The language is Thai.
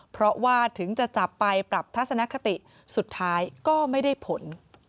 เพราะว่าถึงจะจับไปปรับทัศนคติสุดท้ายก็ไม่ได้ผล